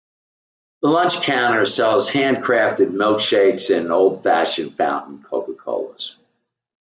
The lunch counter sells hand-crafted milk shakes and old-fashioned fountain Coca-Colas.